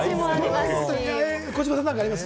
児嶋さん、何かあります？